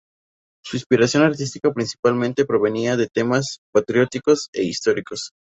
Su inspiración artística principalmente provenía de temas patrióticos e históricos.